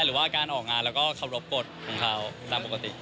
หรือว่าการออกงานแล้วก็เคารพกฎของเขาตามปกติ